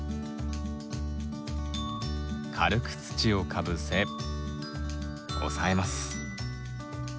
軽く土をかぶせ押さえます。